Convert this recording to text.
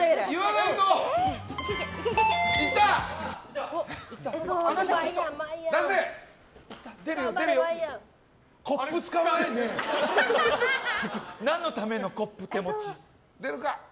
なんのためのコップ手持ち。